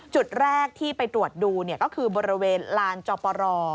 จุดแรกที่ไปตรวจดูก็คือบริเวณลานจอปร